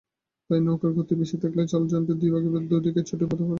তাই নৌকার গতি বেশি থাকলে জলযানটি দুই ভাগ হয়ে দুদিকে ছুটতে পারে।